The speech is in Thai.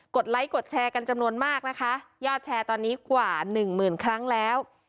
ไลค์กดแชร์กันจำนวนมากนะคะยอดแชร์ตอนนี้กว่าหนึ่งหมื่นครั้งแล้ว